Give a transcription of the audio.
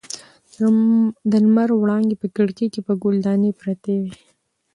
د لمر وړانګې په کړکۍ کې پر ګل دانۍ پرتې وې.